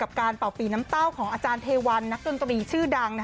การเป่าปีน้ำเต้าของอาจารย์เทวันนักดนตรีชื่อดัง